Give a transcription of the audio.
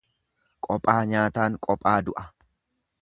Qophaa nyaataan qophaa du'a.